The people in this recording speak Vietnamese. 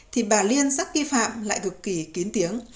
thì bà liên sắc kỳ phạm lại cực kỳ kiến tiếng